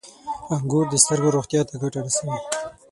• انګور د سترګو روغتیا ته ګټه رسوي.